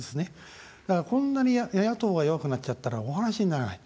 だから、こんなに野党が弱くなっちゃったらお話にならない。